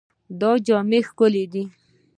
دا جامې ښکلې دي.